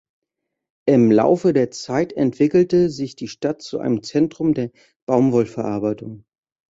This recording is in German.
Im Laufe der Zeit entwickelte sich die Stadt zu einem Zentrum der Baumwollverarbeitung.